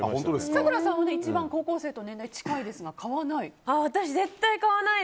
咲楽さんは一番高校生と年齢が近いですが買わない？